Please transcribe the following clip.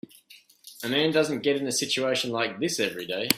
A man doesn't get in a situation like this every day.